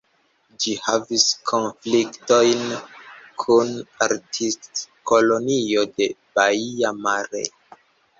Ĝi havis konfliktojn kun Artistkolonio de Baia Mare.